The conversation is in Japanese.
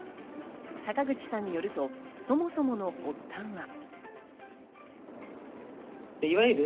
坂口さんによると、そもそもの発端は。